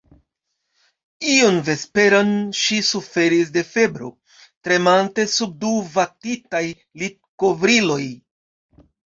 Iun vesperon ŝi suferis de febro, tremante sub du vatitaj litkovriloj.